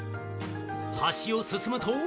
橋を進むと。